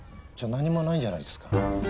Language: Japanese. じゃあ何もないんじゃないですか。